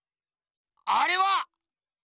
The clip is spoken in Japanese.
あれは！